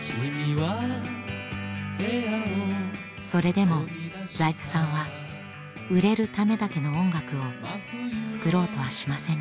それでも財津さんは売れるためだけの音楽を作ろうとはしませんでした。